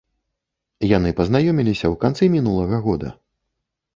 Яны пазнаёміліся ў канцы мінулага года.